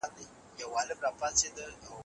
ایا له کینې او بغض څخه لیري پاته کېدل عمر زیاتوي؟